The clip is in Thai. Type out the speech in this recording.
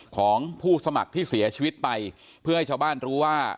ของผู้สมัครที่เสียชีวิตไปเพื่อให้ชาวบ้านรู้ว่า